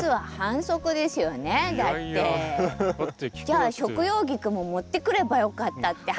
じゃあ食用菊も持ってくればよかったって話？